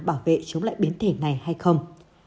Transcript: bảo vệ chống lại biến thể này hay không